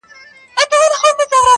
نه خبر په پاچهي نه په تدبير وو.!